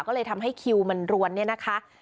ก็เลยทำให้คิวมันรวนเนี่ยนะคะ